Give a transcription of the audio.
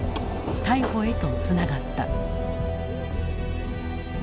逮捕へとつながった。